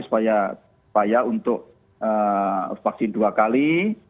supaya untuk vaksin dua kali